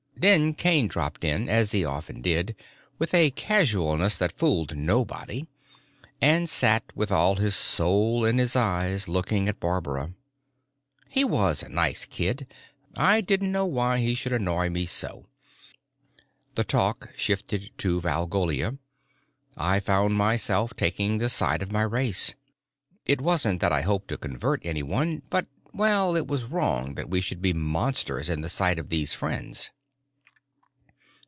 Then Kane dropped in as he often did, with a casualness that fooled nobody, and sat with all his soul in his eyes, looking at Barbara. He was a nice kid. I didn't know why he should annoy me so. The talk shifted to Valgolia. I found myself taking the side of my race. It wasn't that I hoped to convert anyone, but well, it was wrong that we should be monsters in the sight of these friends.